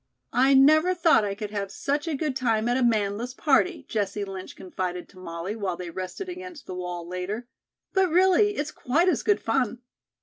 "I never thought I could have such a good time at a manless party," Jessie Lynch confided to Molly while they rested against the wall later. "But, really, it's quite as good fun."